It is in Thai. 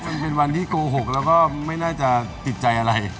มันเป็นวันที่โกหกแล้วก็ไม่น่าจะติดใจอะไร